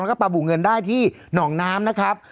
แล้วก็ปลาบุเงินได้ที่หนองน้ำนะครับ